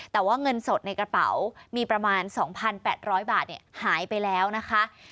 แต่ว่าเงินสดในกระเป๋ามีประมาณ๒๘๐๐บาทหายไปแล้วนะคะ